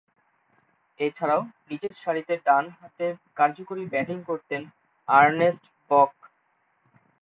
এছাড়াও, নিচেরসারিতে ডানহাতে কার্যকরী ব্যাটিং করতেন আর্নেস্ট বক।